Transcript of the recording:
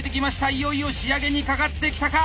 いよいよ仕上げにかかってきたか